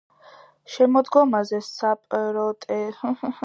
შემოდგომაზე საპროტესტო აქციებმა მოიცვა შვეიცარია.